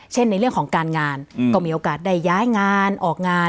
ในเรื่องของการงานก็มีโอกาสได้ย้ายงานออกงาน